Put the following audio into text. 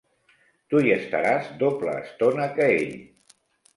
Tu hi estaràs doble estona que ell.